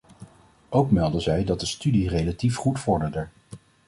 Ook meldden zij dat de studie relatief goed vorderde.